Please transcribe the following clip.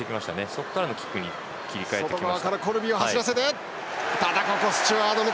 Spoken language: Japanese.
そこからのキックに切り替えてきました。